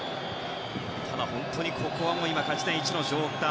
ただ、本当にここは今、勝ち点１の状態。